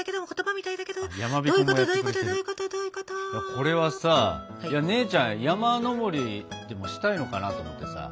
これはさ姉ちゃん山登りでもしたいのかなと思ってさ。